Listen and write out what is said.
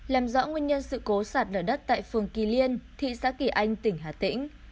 làm rõ nguyên nhân sự cố sạt lở đất tại phường kỳ liên thị xã kỳ anh tỉnh hà tĩnh